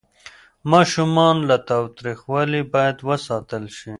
ماشومان له تاوتریخوالي باید وساتل شي.